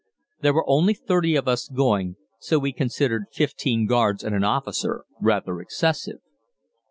There were only thirty of us going, so we considered fifteen guards and an officer rather excessive.